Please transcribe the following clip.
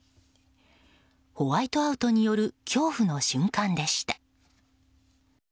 ホワイトアウトによる恐怖の瞬間でした。